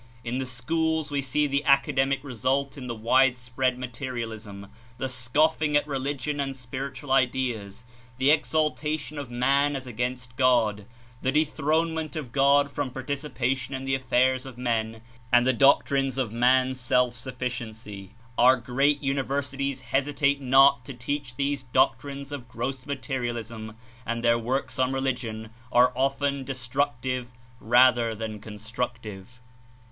In the schools we see the academic result In the wide spread materialism, the scofl^ng at religion and spiritual ideas, the exalta tion of man as against God, the dethronement of God from participation in the affairs of men and the doctrines of man's self sufficiency. Our great univer sities hesitate not to teach these doctrines of gross materialism and their works on religion are often de structive rather than constructive.